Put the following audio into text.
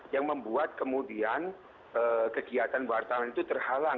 yang membuat kemudian kegiatan wartawan itu terhalang